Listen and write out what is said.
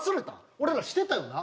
俺らしてたよな？